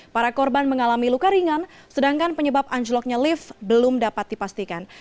para korban mengalami luka ringan sedangkan penyebab anjloknya lift belum dapat dipastikan